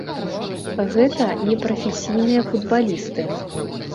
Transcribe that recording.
Гэта не прафесійныя футбалісты.